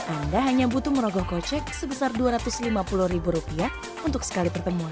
anda hanya butuh merogoh kocek sebesar dua ratus lima puluh ribu rupiah untuk sekali pertemuan